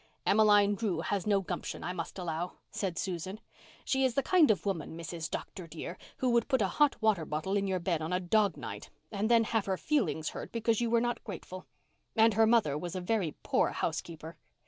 "Emmeline Drew has no gumption, I must allow," said Susan. "She is the kind of woman, Mrs. Dr. dear, who would put a hot water bottle in your bed on a dog night and then have her feelings hurt because you were not grateful. And her mother was a very poor housekeeper.